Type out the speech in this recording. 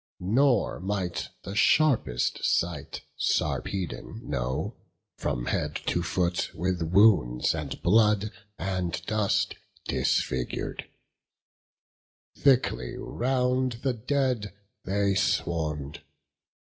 Nor might the sharpest sight Sarpedon know, From head to foot with wounds and blood and dust Disfigur'd; thickly round the dead they swarm'd.